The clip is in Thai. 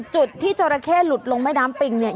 จุดที่จรคหลุดลงม้ายน้ำปิงเนี้ย